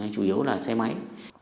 chủ yếu là xe máy